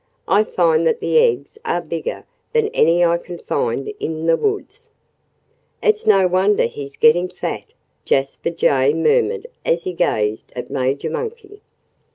I find that the eggs are bigger than any I can find in the woods." "It's no wonder he's getting fat," Jasper Jay murmured as he gazed at Major Monkey.